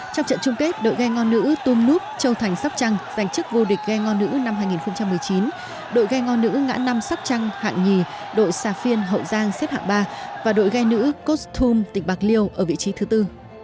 trong trận chung kết đội ghe ngo nữ tum núp châu thành sóc trăng giành chức vô địch ghe ngo nữ năm hai nghìn một mươi chín đội ghe ngo nữ ngã năm sóc trăng hạng hai đội sà phiên hậu giang xét hạng ba và đội ghe nữ kostum tỉnh bạc liêu ở vị trí thứ bốn